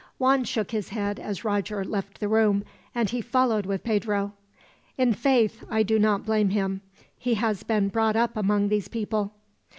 Juan shook his head as Roger left the room, and he followed with Pedro. "In faith, I do not blame him. He has been brought up among these people."